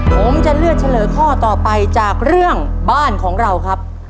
ผมจะเลือกเฉลยข้อต่อไปจากเรื่องบ้านของเราครับ